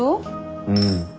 うん。